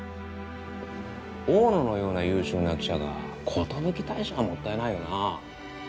大野のような優秀な記者が寿退社はもったいないよなぁ。